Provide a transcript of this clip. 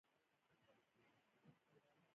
د قانون نه پلی کیدل ګډوډي راوړي.